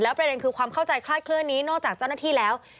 ประเด็นคือความเข้าใจคลาดเคลื่อนนี้นอกจากเจ้าหน้าที่แล้ว